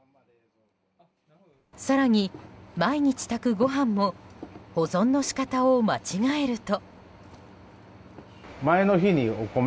更に、毎日炊くご飯も保存のし方を間違えると。